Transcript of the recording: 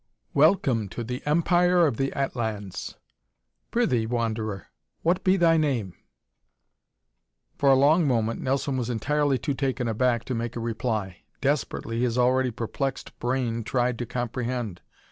"Welcome to the Empire of the Atlans. Prithee, Wanderer, what be thy name?" For a long moment Nelson was entirely too taken back to make a reply. Desperately his already perplexed brain tried to comprehend.